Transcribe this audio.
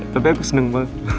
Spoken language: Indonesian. tapi aku seneng banget